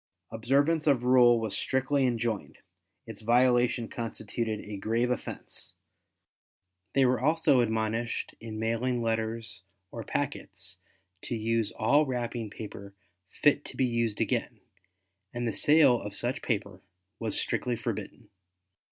Observance of rule was strictly enjoined, its violation constituted a grave offense. They were also admonished in mailing letters or packets to use all wrapping paper fit to be used again, and the sale of such paper was strictly forbidden.